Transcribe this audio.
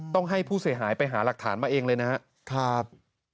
ต้องให้ผู้เสียหายไปหาหลักฐานมาเองเลยนะครับ